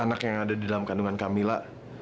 anak yang ada di dalam kandungan camilla